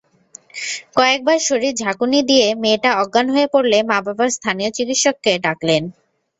কয়েকবার শরীর ঝাঁকুনি দিয়ে মেয়েটা অজ্ঞান হয়ে পড়লে মা-বাবা স্থানীয় চিকিৎসককে ডাকলেন।